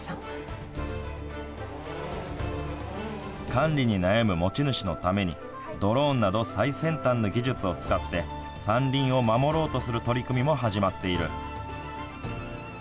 管理に悩む持ち主のためにドローンなど最先端の技術を使って山林を守ろうとする取り組みも始まっている。